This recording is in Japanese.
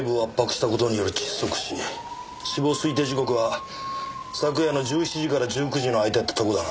死亡推定時刻は昨夜の１７時から１９時の間ってとこだな。